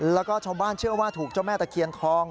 แล้วก็ชาวบ้านเชื่อว่าถูกเจ้าแม่ตะเคียนทอง